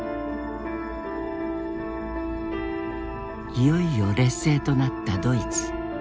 いよいよ劣勢となったドイツ。